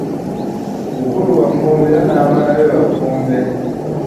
Bukulu wa Ffumbe era n'abaana be ba ffumbe.